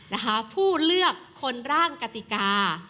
นะคะผู้เลือกคนร่างกติกา